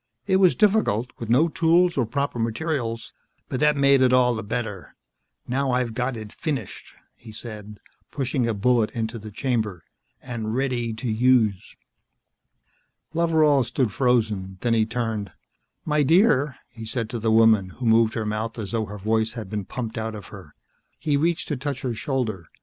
It was difficult with no tools or proper materials but that made it all the better. Now I've got it finished," he said, pushing a bullet into the chamber, "and ready to use." Loveral stood frozen, then he turned. "My dear," he said to the woman who moved her mouth as though her voice had been pumped out of her. He reached to touch her shoulder.